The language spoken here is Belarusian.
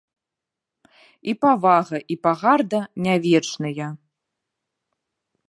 І павага, і пагарда не вечныя.